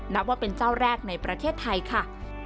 นับว่าเป็นเจ้าแรกในประเทศไทยค่ะ